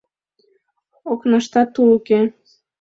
Окнаштат тул уке.